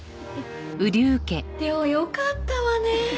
亮よかったわね！